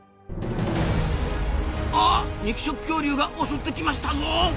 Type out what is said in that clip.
あっ肉食恐竜が襲ってきましたぞ！